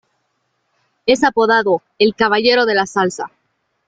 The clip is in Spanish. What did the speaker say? Es apodado "El Caballero de la Salsa".